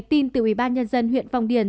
tin từ ubnd huyện phong điền